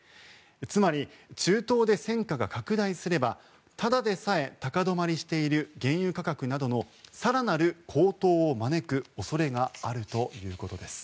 つまり、中東で戦火が拡大すればただでさえ、高止まりしている原油価格などの更なる高騰を招く恐れがあるということです。